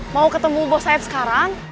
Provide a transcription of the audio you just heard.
mau ketemu bos saya sekarang